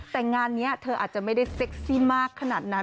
แต่งานนี้เธออาจจะไม่ได้เซ็กซี่มากขนาดนั้น